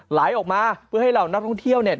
ไหลออกมาเพื่อให้เหล่านักท่องเที่ยวเนี่ย